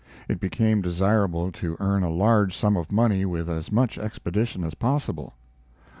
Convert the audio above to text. It became desirable to earn a large sum of money with as much expedition as possible.